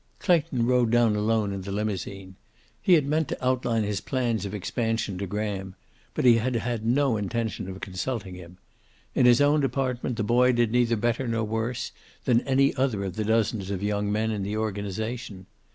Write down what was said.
Clayton rode down alone in the limousine. He had meant to outline his plans of expansion to Graham, but he had had no intention of consulting him. In his own department the boy did neither better nor worse than any other of the dozens of young men in the organization.